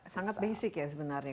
sangat basic ya sebenarnya